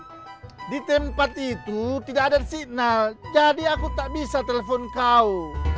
karena di tempat itu tidak ada signal jadi aku tak bisa telepon kau